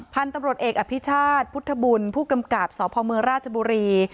พันธุ์ตำรวจเอกอภิษฐาตรพุทธบุญผู้กำกับสพรจบรี